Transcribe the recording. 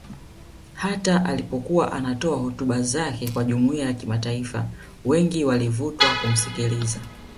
Hata alipokuwa anatoa hotuba zake kwa Jumuiya Kimataifa wengi walivutwa kumsikiliza